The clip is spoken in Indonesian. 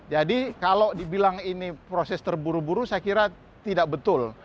jadi kalau dibilang ini proses terburu buru saya kira tidak betul